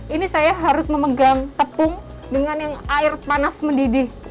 ini saya harus memegang tepung dengan yang air panas mendidih